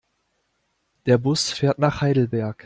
Der Bus fährt nach Heidelberg